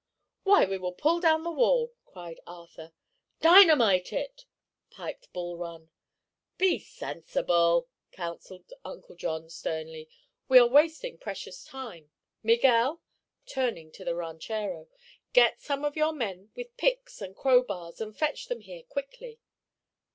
"Why, we will pull down the wall!" cried Arthur. "Dynamite it!" piped Bul Run. "Be sensible!" counseled Uncle John sternly. "We are wasting precious time. Miguel," turning to the ranchero, "get some of your men, with picks and crowbars, and fetch them here quickly."